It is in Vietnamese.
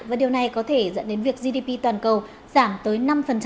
và điều này có thể dẫn đến việc gdp toàn cầu giảm tới năm